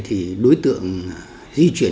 thì đối tượng di chuyển